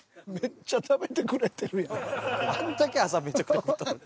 あんだけ朝めちゃくちゃ食ったのに。